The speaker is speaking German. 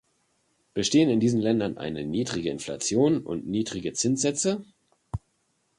Bestehen in diesen Ländern eine niedrige Inflation und niedrige Zinssätze?